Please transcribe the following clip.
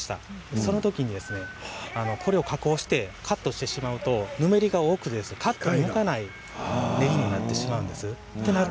そのときにこれを加工してカットしてしまうとぬめりが多くて機械が動かないねぎになるんです。